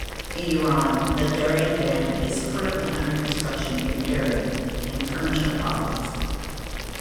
In Iran the Daryan Dam is currently under construction near Daryan in Kermanshah Province.